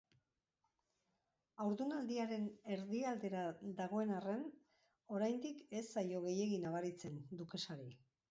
Haurdunaldiaren erdi aldera dagoen arren, oraindik ez zaio gehiegi nabaritzen dukesari.